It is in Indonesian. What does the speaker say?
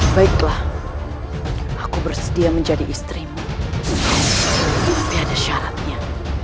baiklah aku bersedia menjadi istrimu tapi ada syaratnya